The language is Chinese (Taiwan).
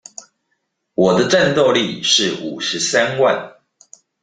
我的戰鬥力是五十三萬